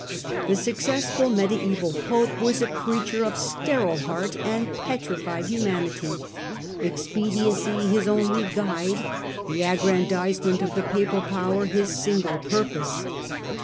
The successful mediaeval Pope was a creature of sterile heart and petrified humanity, expediency his only guide, the aggrandisement of the Papal power his single purpose.